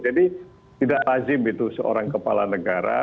jadi tidak lazim itu seorang kepala negara